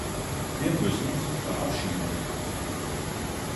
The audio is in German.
Wir müssen sie verabschieden.